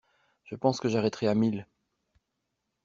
Je pense que j'arrêterai à mille.